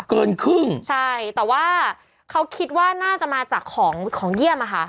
เกินครึ่งใช่แต่ว่าเขาคิดว่าน่าจะมาจากของของเยี่ยมอะค่ะ